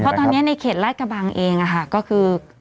เพราะตอนนี้ในเขตลาดกระบังเองก็คือ